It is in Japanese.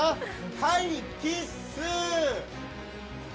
はい、キッス！